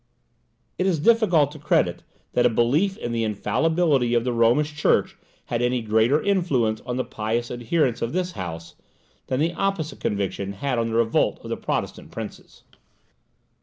It is difficult to credit that a belief in the infallibility of the Romish Church had any greater influence on the pious adherence of this house, than the opposite conviction had on the revolt of the Protestant princes.